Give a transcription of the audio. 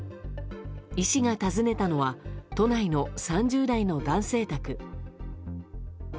医師が訪ねたのは都内の３０代の男性宅。